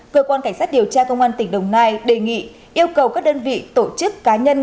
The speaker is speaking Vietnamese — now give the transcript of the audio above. cơ quan cảnh sát điều tra công an tỉnh đồng nai đề nghị yêu cầu các đơn vị tổ chức cá nhân